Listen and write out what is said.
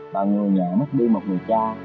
ba người nhà mất đi một người cha